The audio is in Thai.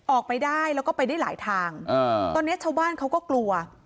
ออกไปได้แล้วก็ไปได้หลายทางตอนนี้ชาวบ้านเขาก็กลัว